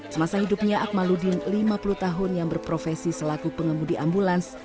semasa hidupnya akmaludin lima puluh tahun yang berprofesi selaku pengemudi ambulans